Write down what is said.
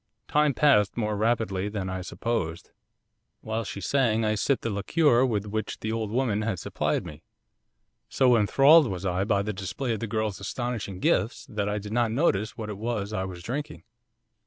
'Time passed more rapidly than I supposed. While she sang I sipped the liquor with which the old woman had supplied me. So enthralled was I by the display of the girl's astonishing gifts that I did not notice what it was I was drinking.